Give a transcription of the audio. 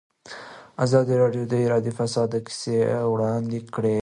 ازادي راډیو د اداري فساد کیسې وړاندې کړي.